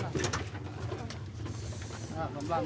tolong ada yang mau melahirkan